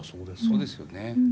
そうですよね。